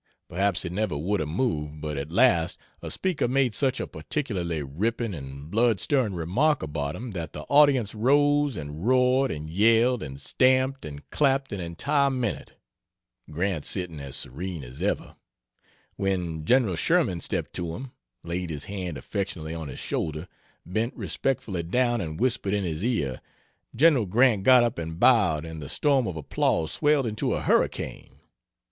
Perhaps he never would have moved, but at last a speaker made such a particularly ripping and blood stirring remark about him that the audience rose and roared and yelled and stamped and clapped an entire minute Grant sitting as serene as ever when Gen. Sherman stepped to him, laid his hand affectionately on his shoulder, bent respectfully down and whispered in his ear. Gen. Grant got up and bowed, and the storm of applause swelled into a hurricane.